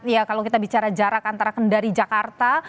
ya kalau kita bicara jarak antara kendari jakarta